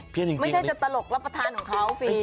ไม่ใช่จะตลกรับประทานของเขาฟรี